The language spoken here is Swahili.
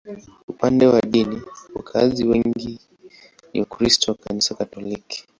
Upande wa dini, wakazi wengi ni Wakristo wa Kanisa Katoliki.